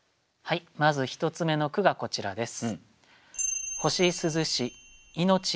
まず一つ目の句がこちらです。